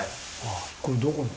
これどこの？